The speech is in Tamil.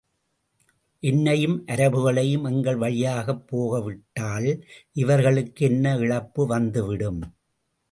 என்னையும், அரபுகளையும் எங்கள் வழியாகப் போக விட்டால் இவர்களுக்கு என்ன இழப்பு வந்துவிடும்?